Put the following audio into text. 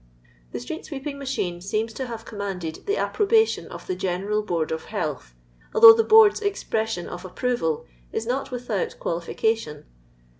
The street sweeping machine seems to have commanded the approbation of the General Board of Health, although the Board's expression of appro val is not without qualification.